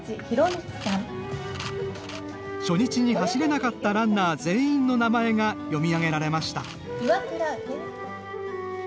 初日に走れなかったランナー全員の名前が読み上げられました。